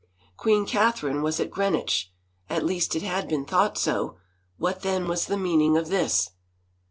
Queen Catherine was at Greenwich — at least it had been thought so — what then was the meaning of this?